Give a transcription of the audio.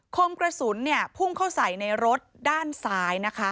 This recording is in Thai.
คมกระสุนพุ่งเข้าใส่ในรถด้านซ้ายนะคะ